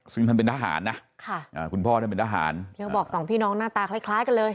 ซึ่งเป็นทหารนะคุณพ่อเป็นทหารแล้วบอกสองพี่น้องหน้าตาคล้ายกันเลย